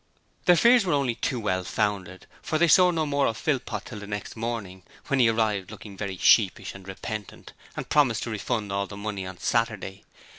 Their fears were only too well founded, for they saw no more of Philpot till the next morning, when he arrived looking very sheepish and repentant and promised to refund all the money on Saturday.